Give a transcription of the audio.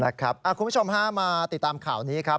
คุณผู้ชมฮะมาติดตามข่าวนี้ครับ